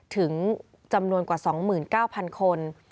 ถึงจำนวนกว่า๒๙๐๐คน